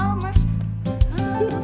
walaupun lumayan tuh lah